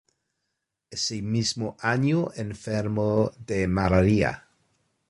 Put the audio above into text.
Ese mismo año enfermó de malaria.